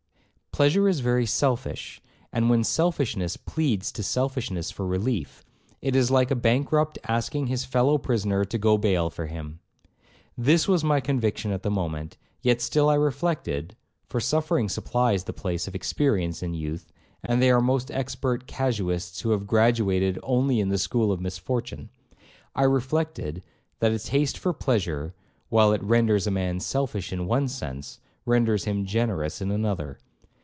'Pleasure is very selfish; and when selfishness pleads to selfishness for relief, it is like a bankrupt asking his fellow prisoner to go bail for him. This was my conviction at the moment, yet still I reflected, (for suffering supplies the place of experience in youth, and they are most expert casuists who have graduated only in the school of misfortune), I reflected, that a taste for pleasure, while it renders a man selfish in one sense, renders him generous in another.